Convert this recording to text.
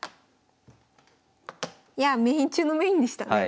いやあメイン中のメインでしたね。